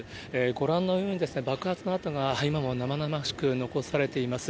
ご覧のように、爆発の跡が今も生々しく残されています。